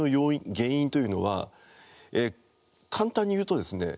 原因というのは簡単に言うとですね